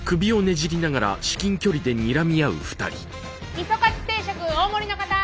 味噌カツ定食大盛りの方！